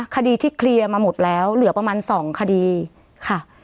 คดีที่เคลียร์มาหมดแล้วเหลือประมาณ๒คดีค่ะ